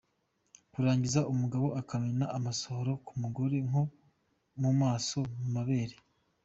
Kurangiza umugabo akamena amasohoro ku mugore nko mu maso, mu mabere,.